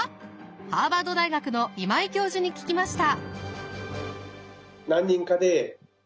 ハーバード大学の今井教授に聞きました。